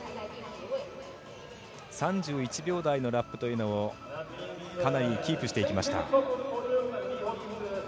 ３１秒台のラップというのをかなりキープしていきました。